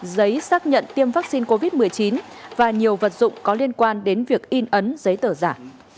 hai mươi bảy giấy xác nhận tiêm vaccine covid một mươi chín và nhiều vật dụng có liên quan đến việc in ấn giấy tờ giả